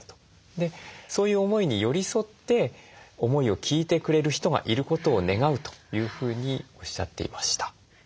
そういう思いに寄り添って思いを聞いてくれる人がいることを願うというふうにおっしゃっていました。